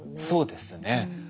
そうですね。